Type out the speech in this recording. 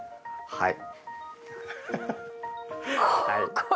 はい。